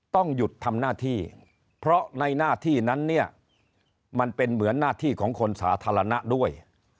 ต้องหยุดทำหน้าที่เพราะในหน้าที่นั้นเนี่ยมันเป็นเหมือนหน้าที่ของคนสาธารณะด้วย